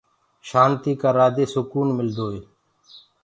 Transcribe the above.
شآنتيٚ ڪررآ دي سڪون ملدوئي